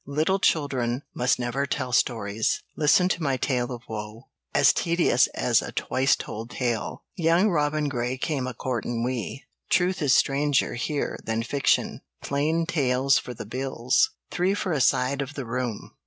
"Little Children Must Never Tell Stories," "Listen to My Tale of Woe," "As Tedious as a Twice Told Tale," "Young Robin Grey Came a Courtin' We," "Truth is Stranger (Here) Than Fiction," "Plain Tales for the Bills," three for a side of the room.